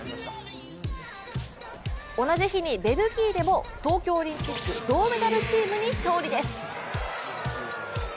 同じ日にベルギーでも東京オリンピック銅メダルチームに勝利です。